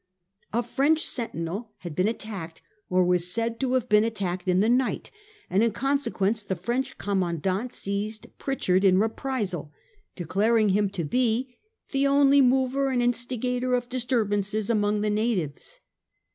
A French sentinel had been attacked, or was said to have been attacked, in the night, and in consequence the French commandant seized Pritchard in reprisal, declaring him to be ' the only mover and instigator of disturbances among the natives.